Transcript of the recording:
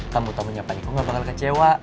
tamu tamunya pak niko gak bakal kecewa